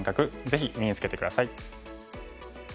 ぜひ身につけて下さい。